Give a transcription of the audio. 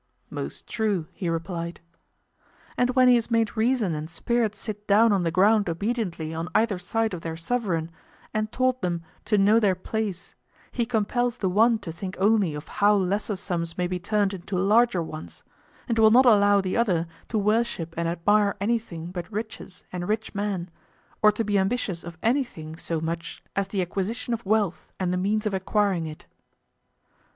Most true, he replied. And when he has made reason and spirit sit down on the ground obediently on either side of their sovereign, and taught them to know their place, he compels the one to think only of how lesser sums may be turned into larger ones, and will not allow the other to worship and admire anything but riches and rich men, or to be ambitious of anything so much as the acquisition of wealth and the means of acquiring it.